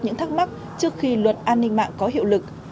những thắc mắc trước khi luật an ninh mạng có hiệu lực